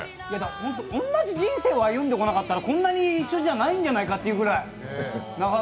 ほんと同じ人生を歩んでこなかったら、こんなに一緒じゃないんじゃないかっていうぐらい。